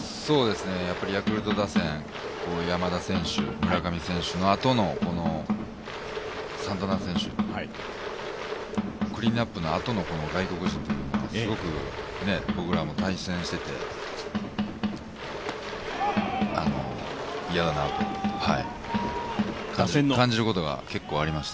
ヤクルト打線、山田選手、村上選手のあとのサンタナ選手、クリーンナップのあとの外国人というのはすごく僕らも対戦していて、嫌だなと感じることが結構あります。